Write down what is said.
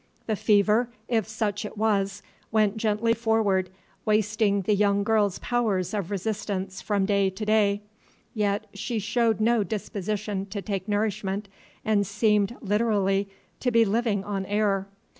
The fever, if such it was, went gently forward, wasting the young girl's powers of resistance from day to day; yet she showed no disposition to take nourishment, and seemed literally to be living on air.